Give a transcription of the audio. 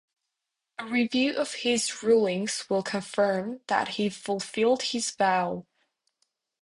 A review of his rulings will confirm that he fulfilled his vow.